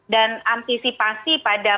dan antisipasi pada